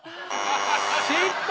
失敗！